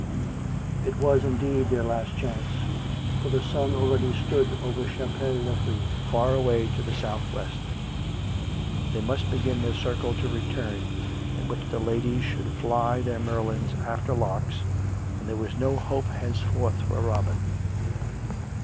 It was indeed their last chance, for the sun already stood over Chapel le Frith far away to the south west; and they must begin their circle to return, in which the ladies should fly their merlins after larks, and there was no hope henceforth for Robin.